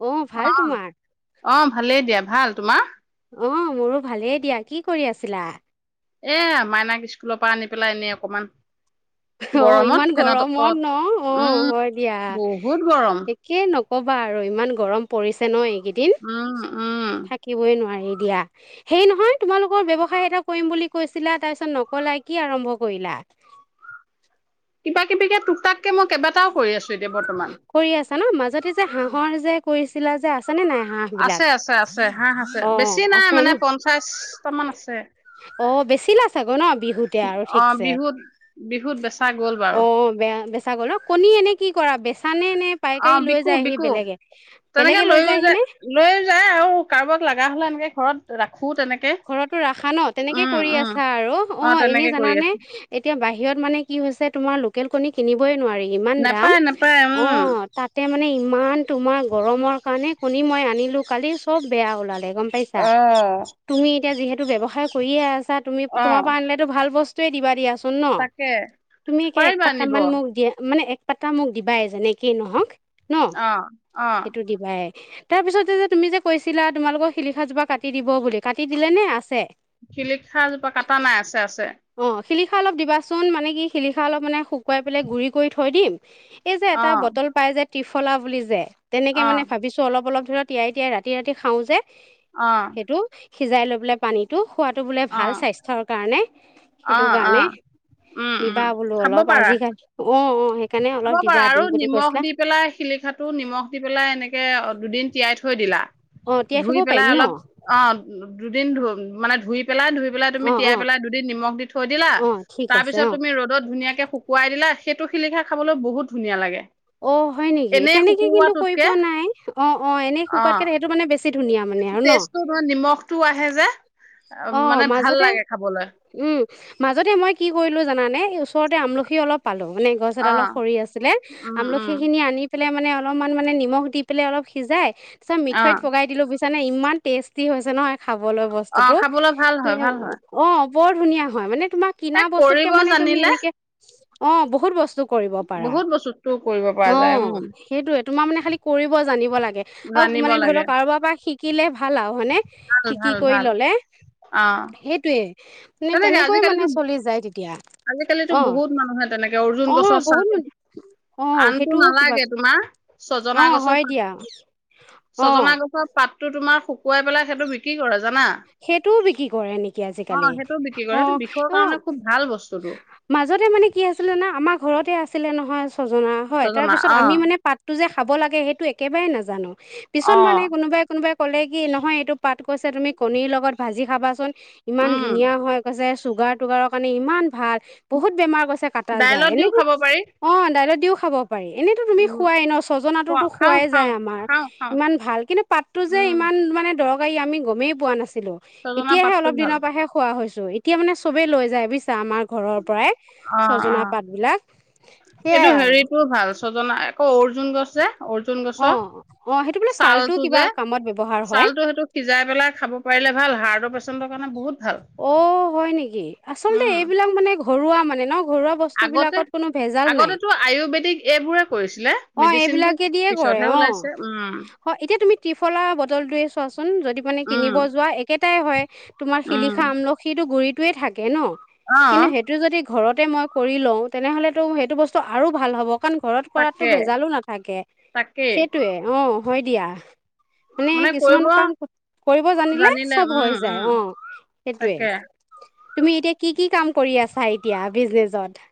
অ ভাল অ', তোমাৰ অ, ভালেই দিয়া। ভাল তোমাৰ। অ', মোৰো ভালেই দিয়া। কি কৰি আছিলা। এ মাইনাক স্কুলৰ পৰা আনি পেলাই, এনে অকমান হ অ', গৰমত ইমান ফেনত গৰমত তলত ন। অ', উম হয় দিয়া। বহুত গৰম একে নকবা আৰু ইমান গ গৰম পৰিছে ন এইক এইদিন উম উম থাকিবই নোৱাৰি। দিয়া। সেই নহয়, তোমালোকৰ ব্যৱসায় এটা কৰিম বুলি কৈছিলা। তাৰপিছত নকলায় কি আৰম্ভ কৰিলা। কিবাকিবি কে তুক তাতকে, মই কেইবাটাও কৰি আছো। এতিয়া বৰ্তমান। কৈছিলা যে। আছ আছে-আছে-আছে। হাঁহ আছে, অ বেছি নাই আছে মানে ন পঞ্চাছটামান আছে। অ', বেছিলা ছাগো ন। বিহুতে আৰু অ', ঠিকছে বিহুত-বিহুত বেছা গ'ল বাৰু। বেছা গ'ল ন। কণী এনে কি কৰা। বেছ অ', বিকু-বিকু। তেনেকে বেলেগে লৈ লৈয়ও যায়হি নে যায়-লৈয়ও যায় আৰু কাৰোবাক লাগা হ'লে এনেকে ঘৰত ৰাখ ঘৰতো ৰাখা ন। তেনেকে কৰি উম আছা আৰু অ', এনে তেনেকে কৰি জানানে। আছো এতিয়া বাহিৰত মানে কি হৈছে। তোমাৰ লোক লোকেল কণী কিনিবই নোৱাৰি। ইমান নেপায় দাম নেপায় উম অ', তাতে মানে ইম ইমান, তোমাৰ গৰমৰ কাৰণে কণী মই আনিলো। কালি চব বেয়া ওলালে। গম পাইছা। অ এতিয়া যিহেতু ব্যৱসায় কৰিয়ে আছ ছা। তুমি-তোমাৰ পৰা অ', আনিলেতো ভাল বস য়েই দিবা দিয়া চো ন। ন', তাকে তুমি এতিয়া পাৰিবা একপাতা নিব মান মোক দিয়া। মানে এক পাতা মোক দিবাই যেনেকেই নহওক। ন', অ', অ', সেইটো দিবাই। তাৰ পিছতে যে তুমি যে কৈছিলা তোমালোকৰ শিলিখা জোপা কাটি দিব বুলি কাটি দিলেনে আছে? শিলিখাজোপা কাটা নাই আছে- আছে। অ শিলিখা অলপ দিবাচোন মানে কি শিলিাখা অলপ মানে শুকুৱাই পেলাই গুড়ি কৰি থৈ দিম। এই যে এটা অ', বটল পাই যে ত্ৰিফলা বুলি যে তেনেকে মানে অ', ভাবিছো অলপ অলপ ধৰা তিয়াই তিয়াই ৰাতি ৰাতি খাওঁ যে। অ' সেইটো সিজাই লৈ পেলাই পানীটো খোৱাতটো বোলে ভাল অ', স্বাস্থ্যৰ কাৰণে। সেইটো অ', কাৰণে অ', উম, উম, নিবা বোলো খাব অলপ পাৰা আজিকালি অ', সেইকাৰণে খাব অলপ পাৰা দিবা আৰু দিম বুলি নিমখ কৈছিলা দি পেলাই শিলিখাটো নিমখ দি পেলাই এনেকে দুদিন তিয়াই থৈ দিলা। অ তিয়াই থব ধুই পাৰিম পেলাই ন অলপ অ দুদিন ধুই মানে ধুই। পেলা ধুই পেলাই তুমি অ অ তিয়াইেলাই দুদিন নিমখ দি থৈ দিলা। অ ঠিক আছে তাৰপিছত অ তুমি ৰ'দত ধুনীয়াকৈ। শুকুৱাই দিলা সেইটো শিলিখা খাবলৈ বহুত ধুনীয়া লাগে। অ' হয় নেকি এনেই তেনেকে কিন্তু কৰি শুকুৱাটোতকে পোৱা নাই অ-'অ' এনেই শুকুৱাতকে সেইটো মানে বেছি ধুনীয়া মানে আৰু ন টেচটো ধৰ নিমখটো আহে যে অ মানে ভাল মাজতে লাগে খাবলৈ উম মাজতে মই কি কৰিলো জানানে ওচৰতে আমলখি অলপ পালো। নে গছ অ এডালৰ সৰি আছিলে উম উম আমলখি খিনি আনি পালে মানে অলপমান মানে নিমখ দি পেলাই অলপ সিজাই চ অ মিঠৈত পগাই দিলো বুইচ। বুজিছানে ইমান টেষ্টি হৈছে নহয়। খাবলৈ বস্তুতটো। বোলে ভাল হয় ভাল হয়। বৰ ধুনীয়া হয় মানে। তোমাৰ এ কিনা বস্তুত কে কৰিব মানে তুমি জানিলে এনেকে। অ বহুত বস্তু কৰিব পাৰা। বহুত বস্তুটো কৰিব পৰা অ যায় উম সেইটোয়ে তোমাৰ মানে খালি কৰিব জানিব লাগে। আৰু জানিব মানে ধৰি লাগে লওঁক কাৰোবাৰ পৰা শিকিলে ভাল আৰু হয়নে? মানে শিকি কৰি ল'লে। অঁ। সেইটোয়ে মানে, তেনেকৈয়ে মানে চলি যায় তেতিয়া। আজিকালিতো অ বহুত মানুহে তেনেকে অৰ্জুন অ গছৰ চাল বহুত মানে অ আনটো সেইটোও কিবা নালাগে তোমাৰ অ ছজনা গছৰ হয় দিয়া পাত। অ ছজনা গছৰ পাত। তো তোমাৰ শুকুৱাই পেলাই সেইটো বিক্ৰী কৰে। জানা সেইটোও বিক্ৰী কৰে নেকি অ আজিকালি? সেইটো বিক্ৰী কৰে সেইটো অ' বিষৰ কাৰণে অ', খুব ভাল বস্তুটো মাজতে মানে কি আছিলে না আমাৰ ঘৰতে আছিলে নহয়। ছজনা। হয়, ছজনা তাৰপিছত অ আমি মানে পাতটো যে, খাব লাগে, সেইটো একেবাৰে নাজানো। পিছত অ মানে কোনোবাই কোনোবাই ক'লে কি নহয়, এইটো পাত কৈছা তুমি। কণীৰ লগত ভাজি খাবাচোন। ইমান উম ধুনীয়া হৈ কৈছে। ছুগাৰ-টুগাৰৰ কাৰণে ইমান ভাল। বহুত বেমাৰ কৈছে কাটা যায়। দাইলত দিও খাব পাৰি এনেকৈ--অ ডাইৰেক্ট দিওঁ খাব পাৰি। এনেতো তুমি উম খোৱাই ন খোৱা ছজনাটোতো খাও খোৱাই খাও যায় আমাৰ। খাও খাও ইমান ভাল, কিন্তু পাততো যে উম ইমান মানে দৰৱ আমি গমেই পোৱা নাছিল ছিলো। ছজনা এতিয়াহে পাতটো অলপ ভাল দিনৰ পৰাহে খোৱা হৈছে। এতিয়া মানে চবে লৈ যায় বুজিছা আমাৰ ঘৰৰ পৰাই, অ অ ছজনা পাত বিলাক। এইটো সেইয়াই আৰু হেৰিটো ভাল ছজনা আকৌ অৰ্জুন গছ যে অৰ্জুন অ গছৰ অ সেইটো বোলে ছালটো কিবা যে, কামত ব্যৱহাৰ হয় ছালটো সেইটো সিজাই পেলাই খাব পাৰিলে ভাল হাৰ্টৰপেচে চেন্টৰ কাৰনে বহুত ভাল অ হয় নেকি? আচলতে উম এইবিলাক মানে ঘৰুৱা মানে ন? ঘৰুৱা বস্তু আগতে বিলাকত কোনো ভেজাল নাই আগতেটো আয়ুৰ্বেদিক এইবোৰে কৰিছিলে অ মেডিচিনটো এইবিলাকে দিয়ে কৰে পিছতহে অ। ওলাইছে উম এতিয়া তুমি ত্ৰিফলা বটলটোয়ে চোৱাচোন যদি মানে উম কিনিব যোৱা একে তোমাৰ উম শিলিখা, আমলখিটো গুৰিত টোৱো থাক কে ন, অ কিন্তু সেইটো যদি ঘৰতে মই কৰি লওঁ, তেনেহ'লেতো সেইটো বস্তু আৰু ভাল হ'ব। কন ঘৰত কৰাত টো তাকে ভেজালো নাথাকে, তাকেই সেইটোৱে অ'। হয় দিয়া। মানে কিছুমান কাম কৰিব জানিলে চব উম হৈ যায়, উম অ সেইটোৱে। তাকে তুমি এতিয়া কি কি কাম কৰি আছা এতিয়া বিজনেজত?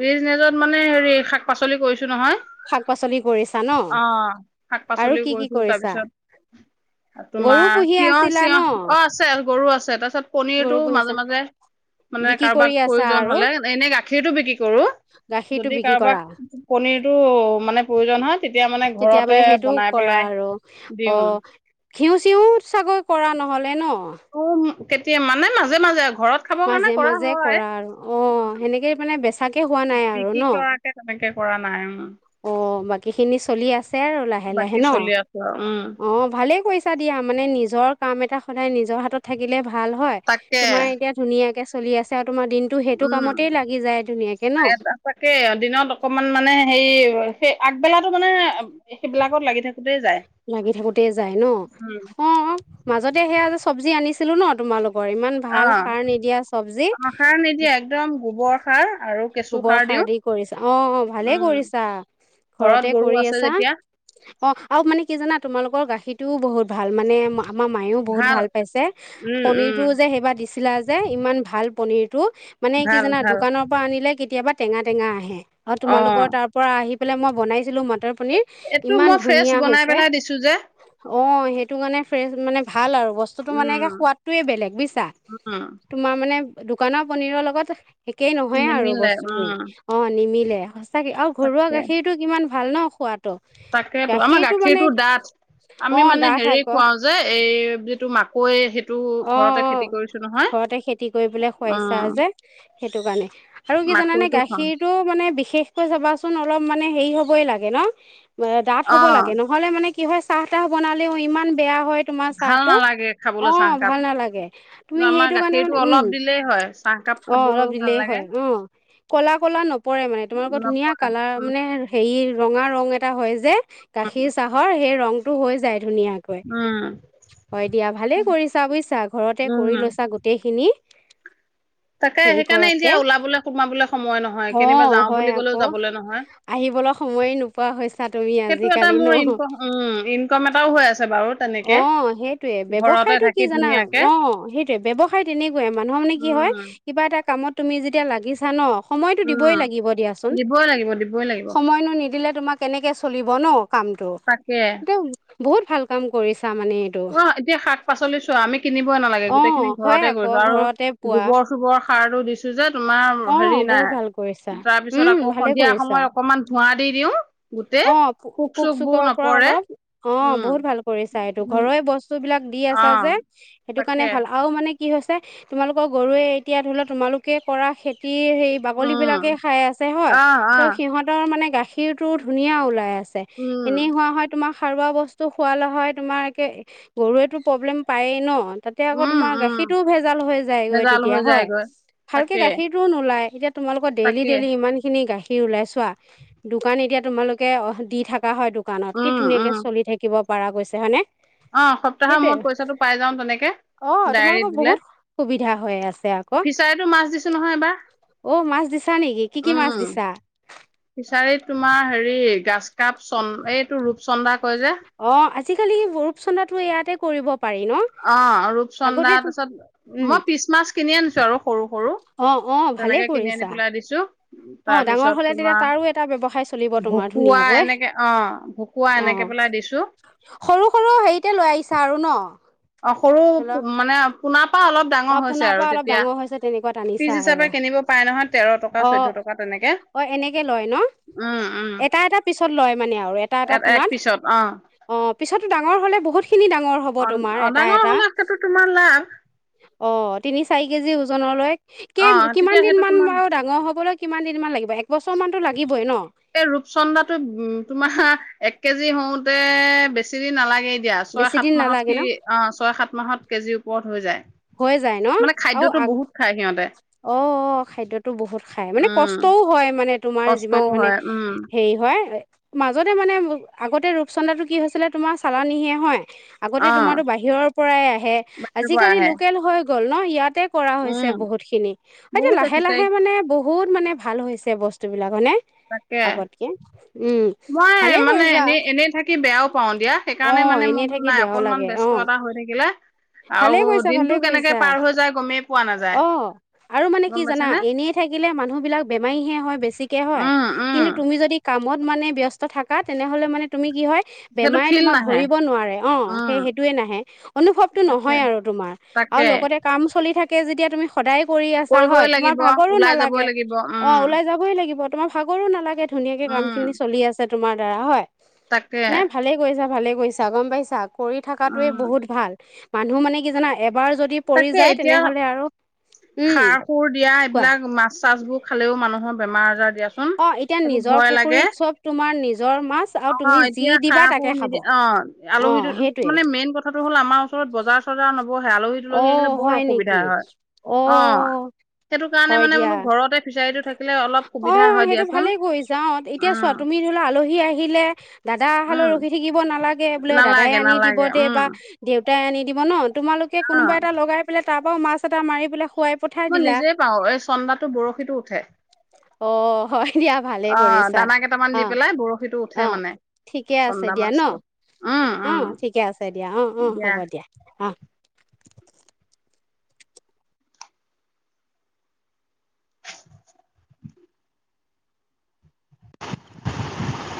বিজনেজত মানে হেৰি শাক-পাচলি কৰিছোঁ। ছো নহয়, শাক পাচলি কৰিছা ন অ আৰু শাক-পাচলিও কি কি কৰিছো কৰিছা তাৰপিছত গৰু তোমাৰ পুহি আছিলা তিয়হ-চিয়হ, ন অ আছে গৰু আছে তাৰপিছত পনীৰটো গৰু পুহিছা মাজে-মাজে মানে বিক্ৰী কাৰোবাক কৰি আছা প্ৰয়োজন আৰু হ'লে, এনে গাখীৰতটো বিক্ৰী কৰোঁ, গাখীৰটো যদি বিক্ৰী কাৰোবাক কৰা পনীৰ টো মানে প্ৰয়োজন হয়, তেতিয়া মানে তেতিয়া ঘৰতে মানে সেইটোও বনাই কৰা পেলাই আৰু অ দিওঁ আও। ঘিউ, চিউও চাগে কৰা নহ'লে ন? অহ। ত' কেতিয়া মানে মাজে-মাজে আ মাজে-মাজে কৰা আৰু অ, সেনেকে মানে বেচাকে হোৱা নাই আৰু বিক্ৰী ন? কৰাকে তেনেকে কৰা নাই উম। অ', বাকী খিনি চলি আছে আৰু লাহে-লাহে বাকী ন, চলি আছো আৰু উম অ, ভালেই কৰিছা দিয়া মানে নিজৰ কাম এটা সদায় নিজৰ হাতত থাকিলে ভা ভাল হয়, তাকে তোমাৰ এতিয়া ধুনীয়াকে চ চলি আছে আৰু তোমাৰ দিনটো সেইটো উম কামতেই লাগি যায় ধুনীয়াকে ন তাকে দিনত অকমান মানে হেৰি [unintelligible] আগবেলাটো মানে সেইবিলাক কত লাগি থাকো লাগি থাকোতে যাই ন, উম অ', মাজতে সেয়া যে চৱজি আনিছ ছিলো ন তোমালোক অ, অ, সাৰ নিদিয়া, একদম গোবৰ সাৰ আৰু কেঁচু গোবৰ সাৰ দিওঁ। দি কৰিছা, অ, অ, ভালেই উম কৰিছা ঘৰত ঘৰতে গৰু কৰি আছে আছা। যেতিয়া অ', আৰু মানে কি জানা, তোমালোকৰ গাখীৰতটোও বহুত ভাল মানে মাখ আমাৰ মায়েও বহুত ভাল পাইছে, উম উম পনিৰতটোও যে সেইবাৰ দিছিলা যে। যে ইমান ভাল পনিৰ। টো মানে কি ভাল জানা ভাল দোকানৰ পৰা আনিলে কেতিয়াবা টেঙা - টেঙা আহে। অ', তোমালোকৰ তাৰ পৰা আহি। আহি পেলাই মই বনাইছিলো ম তই পনিৰ এইটো ইমান মই ফ্ৰেছ ধুনীয়া বনাই হৈছে। পেলাই দিছো যে অ', সেইটো কাৰণে ফ্ৰেছ মানে ভাল আৰু। বস্তুটো মানে উম একৈ সুৱাদটোই বেলেগ বুজিছা, উম তোমাৰ মানে দোকানৰ পনিৰৰ লগত একেই নহয়ে আৰু নিমিলে বছ উম [unintelligible] অ', নিমিলে সচা চাকে আৰু ঘৰুৱা গাখীৰটো কিমান ভাল ন। সোৱাদ। তাকেতু আমাৰ গাখীৰটো ডাঠ অ আমি মানে ডাঠ হেৰি আকৌ খুৱাও যে এই যিটো মাকৈ হেট অ', - অ', ঘৰতে খেতি কৰিপেলৈ খোৱাইছা অ যে সেইটো কাৰণে আৰু কি জানানে মাকৈটো খাওঁ গাখীৰতটো মানে বিশেষ কৈ চাবাচুন অলপ মানহে হেৰী হবই লাগে ন। ডাঠ অ হ'ব লাগে নহলে মানে কি হয় চাহ তাহ বনেলেও ইমান বেয়া হয় তোমাৰ চাহ ভাল টো, নালাগে খাবলৈ অ', চাহকাপ ভাল নালাগে, তুমি কিন্তু আমাৰ সেইটো কাৰণে গাখীৰটো মানে, উম', অলপ দিলেই হয় চাহকাপ অ', অলপ খাবলৈও দিলে ভাল লাগে হয়, অ', কলা - কলা নপৰে মানে তোমালোকৰ ধুনীয়া অলপ কালাৰ উম মানে হেৰি ৰঙা ৰং এটা হয় যে। গাখীৰ চাহৰ সেই ৰং টো হৈ যায়। ধুনীয়াকৈ, উম হয় দিয়া ভালে কৰিছে। বুইছা ঘৰতে উম কৰি লৈছা গোটেই খিনি। তাকে সেইকাৰণে এতিয়া কৰাতকে ওলাবলে সোমাবলৈ সময় নহয় অ কেনিবা যাও হয় বুলি কলেও আকৌ যাবলৈ নহয়। আহিবলৈ সময়ে নোপোৱা হৈছা তুমি সেইটো এটা আজিকালি ন মোৰ ইনকম, উম', ইনকম এটাও হৈ আছে বাৰু। তেনেকে অ ', সেইটোৱেই ঘৰতে ব্যৱসায়তো কি থাকি জানা, ধুনীয়াকে অ', হত্যাই ব্যৱসায়তো তেনেকুৱয়ে মানুহৰ মানে কি হয় উম কিবা এটা কামত তুমি যেতিয়া লাগিছা ন। সমইটো দিবই উম লাগিব দিয়াচোন, দিবই লাগিব দিবই লাগিব সমইনো নিদিলে তোমাক এনেকে চলিব ন কামটো তাকে এটো বহুত ভাল কাম কৰিছে অ এতিয়া শাক পাচলি চোৱা আমি কিনিব নালাগে অ গোটেই খিনি হয় ঘৰতে আকৌ গৈছে আৰু ঘৰতে পোৱা গোবৰ চোবৰ সাৰটো দিছো যে তোমাৰ অ হেৰি বহুত ভাল কৰিছা নাই তাৰ পিছত উম আকৌ ভালে সন্ধিয়া কৰিছা সময় অকমান ধোৱা দি দিও গোটেই অ', চুখ পোক চুখ বোৰ চোকৰ পৰা নপৰে অলপ অ', বহুত ভাল কৰিছা এইটো উম ঘৰৰে বস্তু বিলাক দি অ আছা যে সেইটো কাৰণে তাকে ভাল আৰু মানে কি হৈছে তোমালোকৰ গৰুৱে এতিয়া ধৰি লও তোমালোকে কৰা খেতি সে বাকলী বিলাকে উম খাই আছে হয় অ অ ত' সিহঁতৰ মানে গাখীৰ ক্ষীৰটো ধুনীয়া ওলাই আছে ছে উম এনেই হোৱা হয় তোমাৰ সাৰুৱা বস্তু খোৱালে হয় তোমাৰে একে গৰুৱে প্ৰব্লেম পায়েই ন তাতে আকৌ উম তোমাৰ উম গাখীৰতটোও ভেজাল হৈ যায়গৈ ভেজাল তেতিয়া হৈ হয় যায়গৈ ভালকে তাকে গাখীৰ নোলায় এতি তোমালোকৰ ডেইল তাকে ডেইল ইমানখিনি গাখীৰ ঘিহ ওলাইছোৱা দোকান এতিয়া তোমালোকে অ দি থকা হয় দোকানত কি উম ধুনীয়াকে উম চলি থাকিব পাৰা গৈছে হয়নে অ সপ্তাহৰ সেইটোৱে মূৰত পইচাটো পাই যাও তেনেকে অ তোমালোকৰ ডায়েৰীত দিলে বহুত সুবিধা হৈ আছে আকৌ অফিচাৰতো মাছ দিছো নহয় এইবাৰ অ মাছ দিছা নেকি কি কি মাছ উম দিছা ফিচাৰীত তোমাৰ হেৰি গাছ কাপ চন্দ এইটো ৰূপ চন্দা কৈয় যে অ আজিকালি ৰূপ চন্দাটো ইয়াতে কৰিব পাৰি ন অ ৰূপচন্দা আগতে তাৰছত উম মই পিছ মাছ কিনি আনিছো আৰু সৰু সৰু অ অ ভালেই তেনেকে কিনি আনি কৰিছা পেলাই দিছো অ ডাঙৰ তাৰপিছত হলে তেতিয়া তোমাৰ তাৰো এটা ব্যয়ৱসায় চলিব তোমাৰ ভকুৱা ধুনীয়াকৈ এনেকে অ ভকুৱা অ এনেকে পেলাই দিছো সৰু সৰু হেৰিতে লৈ আহিছা আৰু ন অ অ সৰু পো মানে পোনাক অ পোনাৰ পৰা অলপ ডাঙৰ হৈছে তেনেকোৱাত পিচ আনিছা আৰু হিচাপে কিনিব পাৰে নহয় তেৰ টকা অ চৈধ্য টকা তেনেকে অ এনেকে লয় ন উম উম এটা এটা পিছত লয় মানে আৰু এটা এটা এক পোনাত পিছত অ অ পিছততো ডাঙৰ হ'লে বহুত খি অ অদাঙৰ হলে হেতু তোমাৰ লাভ অ তিনি চাৰি কেজি ওজনলৈ অ কে তেতিয়া কিমান দিন সেইটো মান তোমাৰ বাৰু ডাঙৰ হবলৈ কিমান দিনমান লাগিব একবছৰমানতো লাগিবই ন এই ৰূপচন্দাটো উম তোমাহ এক কেজি হওঁতে বেছি দিন নালাগে দিয়া ছয় বেছি সাত দিন মাহত নালাগে সি ন অ ছয় সাত মাহত কেজিৰ ওপৰত হৈ যায় হৈ যায় ন মানে আৰু খাদ্যটো আগ বহুত খায় সিহঁতে অ অ খাদ্যটো বহুত খাই মানে উম কষ্টও হয় মানে তোমাৰ যিমান কষ্টও মানে হয় উম হেৰি হোৱাত এ মাজতে মানে আগতে ৰূপচন্দা টো কি হৈছিলে তোমাৰ চালানীহে হয় আগতে অ তোমাতো বাহিৰৰ পৰাই আহে বাহিৰৰ পৰা আজিকালি আহে লোক হৈ গ'ল ন ইয়াতে কৰা হৈছে উম বহুত খিনি এতিয়া বহুতে লাহে ফিচাৰী লাহে মানে বহুত বহুত মানে ভাল হৈছে বস্তুবিলাক হয়নে তাকে আগতকে উম মই ভালে মানে কৰিছা এনে এনেই থাকি বেয়াও পাও দিয়া অ সেইকাৰণে মানে এনে মোৰতো থাকি নাই বেয়াও অকনমান লাগে ব ব্যস্ত এটা হৈ থাকিলে আৰু যি কৰিছা ভালে দিনটো কেনেকে কৰিছা পাৰ হৈ যায় গমেই পোৱা নাযায় অ আৰু মানে গম কি জানা পাইছানে এনেই থাকিলে মানুহ বিলাক বেমাৰীহে হয় বেছিকে হয় উম উম কিন্তু তুমি যদি কামত যিমানে ব্যস্ত থাকা তেনেহ'লে মানে তুমি কি হয় সেইটো বেমাৰে ফিল তোমাক নাহে ধৰিব নোৱাৰে অ উম সেই সেইটোয়ে নাহে অনুভৱটো তাকে নহয় আৰু তোমাৰ তাকে আৰু লগতে কাম চ চলি থাকে যেতিয়া তুমি সদায় কৰি আছা হয় কৰিবই তোমাৰ লাগিব ভাগৰো ওলাই যাবই নালাগে লাগিব অ উম ওলাই যাবই লাগিব তোমাৰ ভাগৰো নালাগে ধুনীয়াকে কাম উম খিনি চলি আছে তোমাৰ দ্বাৰা হয় তাকে নাই ভালেই কৰিছা ভালে কৰিছা গম পাইছা কৰি থকাাতোৱে উম বহুত ভাল মানুহ মানে কি জানা? এবাৰ যদি পৰি তাকে যায় এতিয়া তেনেহ'লে আৰু উম। সাৰ সুৰ দিয়া কোৱা এইবিলাক মাছ তাছ খালও মানুহৰ বেমাৰ আজাৰ দিয়াচোন অ', এতিয়া এইবোৰ নিজৰ পুখুৰীত চব তোমাৰ নিজ নিজৰ [unintelligible] যি অ'এতিয়া দিবা সাৰ তাকে সুৰ খাব নিদিয়ে, অ' আলহী দুল মানে মেইন কথাটো হ'ল আমাৰ ওচৰত বজাৰ চজাৰ নবহে আলহী অ দুলহী আহিলে বৰ হয় অসুবিধা নেকি হয়। অ' সেইটো কাৰণে হয় মানে দিয়া মানো ঘৰতে ফি অ' সেইটো ভালে কৰিছা, এতিয়া চোৱা উম তুমি ধৰি লোৱা আলহী আহিলে দাদা উম অহালৈ ৰখি থাকিব নালাগে এ' বোলে দাদাই নালাগে আনি দিব নালাগে দে, উম বা গোটাই আনি দিব ন, তোমালোকে অ কোনোবা এটা লগাই পেলাই তাৰ পৰাও মাছ এটা মাৰি পেলাই খুৱাই পঠাই মই দিলা নিজেই পাৰো, এই চন্দাতো বৰশীতো উঠে। অ' হয় দিয়া ভালেই অ কৰিছা, দানা কেইটামান দি অ' পেলাই বৰশীটো উঠে অ' মানে ঠিকে আছে চন্দা দিয়া ন, মাছটো উম উম অ' ঠিকে আছে দিয়া অ' অ' হ'ব দিয়া অ'